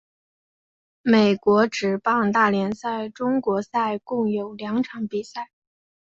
美国职棒大联盟中国赛共有两场比赛。